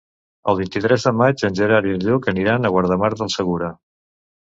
El vint-i-tres de maig en Gerard i en Lluc aniran a Guardamar del Segura.